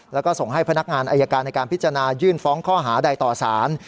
แล้วก็ส่งให้พนักงานอายการในการพิจารณายื่นฟ้องข้อหาใดต่อสาร